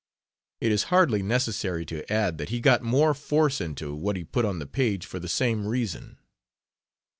It is hardly necessary to add that he got more force into what he put on the page for the same reason.